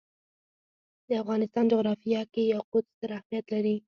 د افغانستان جغرافیه کې یاقوت ستر اهمیت لري.